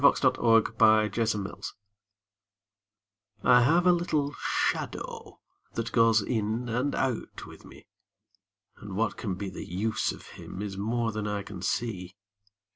[Pg 20] MY SHADOW I have a little shadow that goes in and out with me, And what can be the use of him is more than I can see.